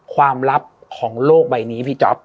ความลับของโลกใบนี้พี่จ๊อป